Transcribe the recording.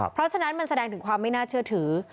เพราะฉะนั้นมันแสดงถึงความไม่น่าเชื่อถือ